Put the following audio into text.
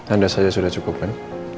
anda saja sudah cukup kan